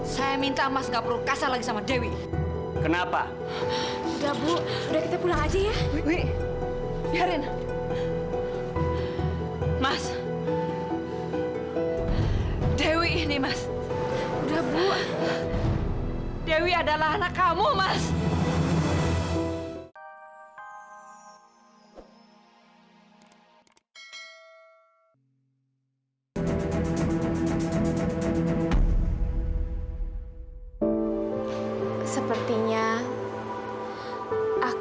sampai jumpa di video selanjutnya